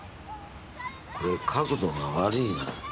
これ角度が悪いな。